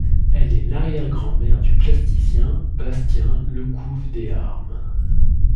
Elle est l'arrière-grand-mère du plasticien Bastien Lecouffe-Deharme.